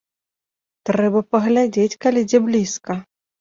Трэба паглядзець, калі дзе блізка.